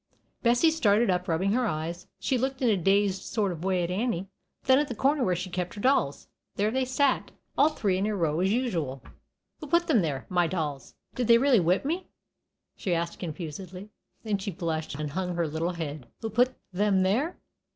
Bessie started up, rubbing her eyes. She looked in a dazed sort of way at Annie, then at the corner where she kept her dolls. There they sat, all three in a row as usual. "Who put them there my dolls? Did they really whip me?" she asked, confusedly. Then she blushed, and hung her little head. "Who put thim there?